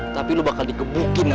ya lo cuma diputusin lah